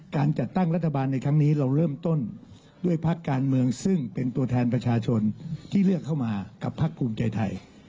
การจัดตั้งรัฐบาลในครั้งนี้เราเริ่มต้นด้วยพักการเมืองซึ่งเป็นตัวแทนประชาชนที่เลือกเข้ามากับพักภูมิใจไทย